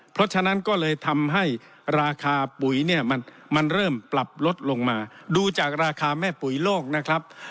เพราะฉะนั้นก็เลยทำให้ราคาปุ๋ยเนี่ยมันเริ่มปรับลดลงมาดูจากราคาแม่ปุ๋ยโลกนะครับ